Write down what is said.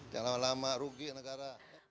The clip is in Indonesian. jangan lama lama rugi negara